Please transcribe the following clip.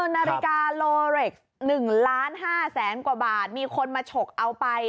นาฬิกาโลเร็กซ์๑๕๐๐๐๐๐กว่าบาทมีคนมาฉกเอาไป